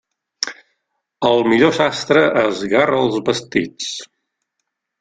El millor sastre esgarra els vestits.